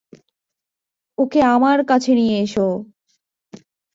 ওকে আমার কাছে নিয়ে এসো!